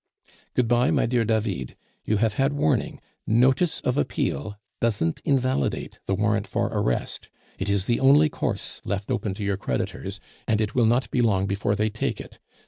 "Good bye, my dear David; you have had warning, notice of appeal doesn't invalidate the warrant for arrest. It is the only course left open to your creditors, and it will not be long before they take it.